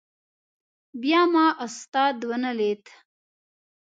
بیا ما استاد ونه لید.